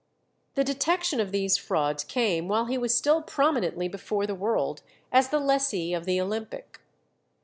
The detection of these frauds came while he was still prominently before the world as the lessee of the Olympic.